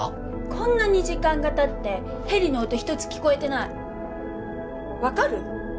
こんなに時間がたってヘリの音ひとつ聞こえてない分かる？